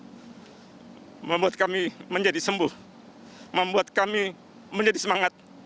ini membuat kami menjadi sembuh membuat kami menjadi semangat